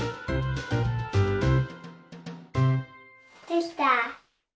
できた！